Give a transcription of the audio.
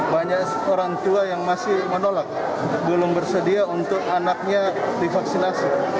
banyak orang tua yang masih menolak belum bersedia untuk anaknya divaksinasi